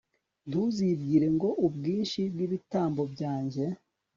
ntuzibwire ngo ubwinshi bw'ibitambo byanjye